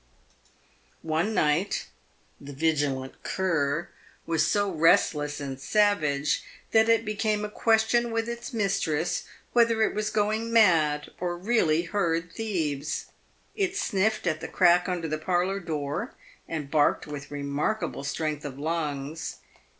One night, the vigilant cur was so restless and savage that it became a question with its mistress whether it was going mad or really heard thieves. It sniffed at the crack under the parlour door, and barked with remarkable strength of lungs.